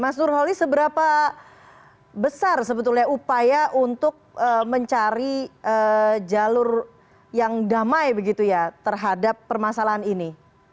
mas nurholi seberapa besar sebetulnya upaya untuk mencari jalur yang damai begitu ya terhadap permasalahan ini